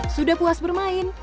sudah puas bermain